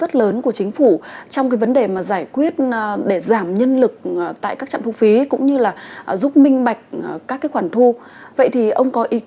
từ đầu tháng sáu